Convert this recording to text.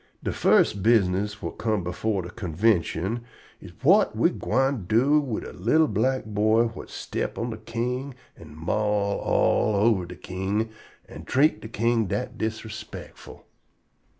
De firs' business whut come before de convintion am: whut we gwine do to a li'l black boy whut stip on de king an' maul all ober de king an' treat de king dat disdespictful."